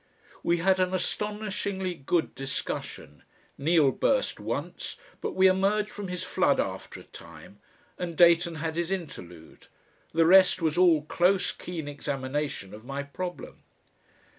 We had an astonishingly good discussion; Neal burst once, but we emerged from his flood after a time, and Dayton had his interlude. The rest was all close, keen examination of my problem.